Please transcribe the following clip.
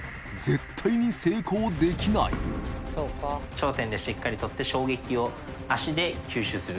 頂点でしっかり取って衝撃を足で吸収する。